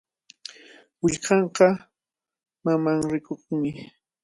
Willkanqa mamanrikuqmi.